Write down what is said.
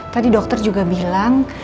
tadi dokter juga bilang